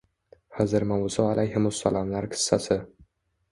Hizr va Muso alayhimussalomlar qissasi